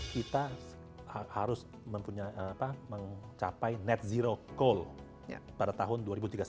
kita harus mencapai net zero coal pada tahun dua ribu tiga puluh satu